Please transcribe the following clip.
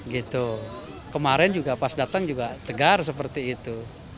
gitu kemarin juga pas datang juga tegar seperti itu